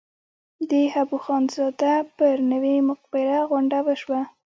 د حبواخندزاده پر نوې مقبره غونډه وشوه.